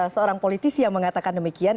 seorang politisi yang mengatakan demikian